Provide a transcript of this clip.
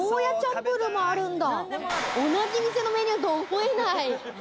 同じ店のメニューとは思えない。